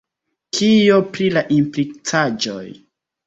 Kio pri la implicaĵoj?